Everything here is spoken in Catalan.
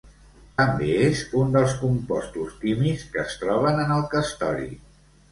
També és un dels compostos químics que es troben en el castori.